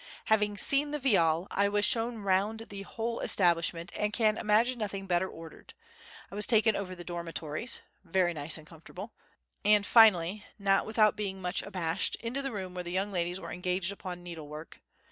Having seen the Viale, I was shown round the whole establishment, and can imagine nothing better ordered. I was taken over the dormitories—very nice and comfortable—and, finally, not without being much abashed, into the room where the young ladies were engaged upon needlework.